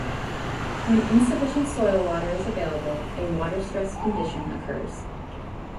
When insufficient soil water is available, a water-stressed condition occurs.